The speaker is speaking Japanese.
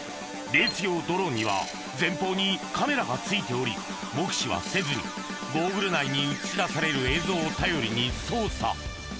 レース用ドローンには前方にカメラが付いており目視はせずにゴーグル内に映し出される映像を頼りに操作